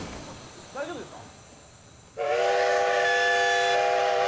大丈夫ですか？